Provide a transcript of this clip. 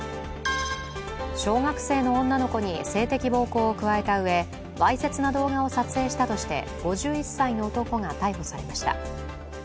小学生の女の子に性的暴行を加えたうえわいせつな動画を撮影したとして５１歳の男が逮捕されました。